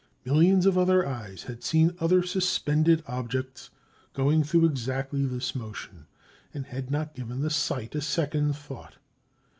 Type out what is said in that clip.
Millions of other eyes had seen other suspended objects going through exactly this motion and had not given the sight a second thought.